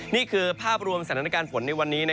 นี่คือภาพรวมสถานการณ์ฝนในวันนี้